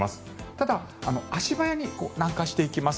ただ、足早に南下していきます。